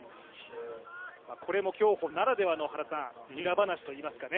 これも競歩ならではの裏話といいますかね。